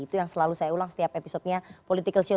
itu yang selalu saya ulang setiap episodenya political show